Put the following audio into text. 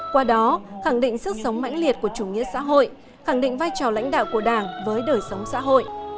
qua đó khẳng định sức sống mãnh liệt của chủ nghĩa xã hội khẳng định vai trò lãnh đạo của đảng với đời sống xã hội